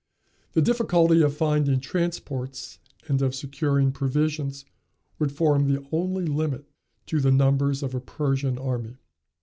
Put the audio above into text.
The difficulty of finding transports and of securing provisions would form the only limit to the numbers of a Persian army.